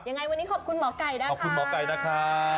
ยังไงวันนี้ขอบคุณหมอกไก่นะคะ